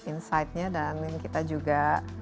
insight nya dan kita juga